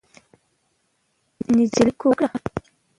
نجلۍ کوکه کړه.